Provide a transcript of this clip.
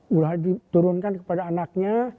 mulai diturunkan kepada anaknya